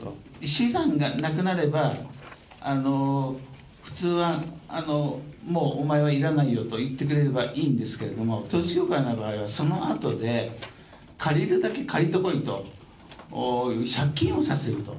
資産がなくなれば普通は、もうお前はいらないよと言ってくれればいいんですけれども、統一教会の場合はそのあとで、借りるだけ借りてこいと、借金をさせると。